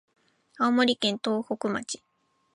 青森県東北町